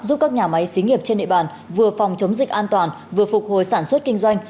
giúp các nhà máy xí nghiệp trên địa bàn vừa phòng chống dịch an toàn vừa phục hồi sản xuất kinh doanh